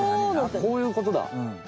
こういうことだ。